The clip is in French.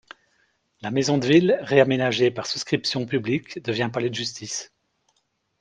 La maison de ville, réaménagée par souscription publique, devient palais de justice.